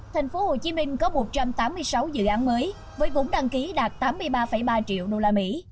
thành phố hồ chí minh có một trăm tám mươi sáu dự án mới với vốn đăng ký đạt tám mươi ba ba triệu đô la mỹ